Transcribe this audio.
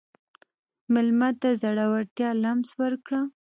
مېلمه ته د زړورتیا لمس ورکړه.